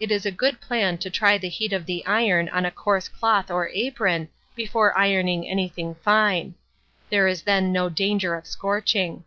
It is a good plan to try the heat of the iron on a coarse cloth or apron before ironing anything fine: there is then no danger of scorching.